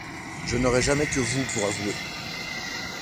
Je n’aurai jamais que vous pour avoué.